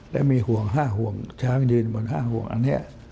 และมีห่วง๕ห่วงช้างยืนบน๕ห่วงอันนี้